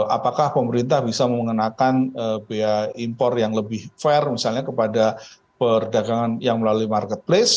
apakah pemerintah bisa mengenakan biaya impor yang lebih fair misalnya kepada perdagangan yang melalui marketplace